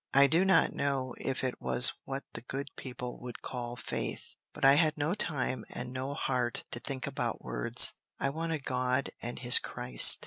I do not know if it was what the good people would call faith; but I had no time and no heart to think about words: I wanted God and his Christ.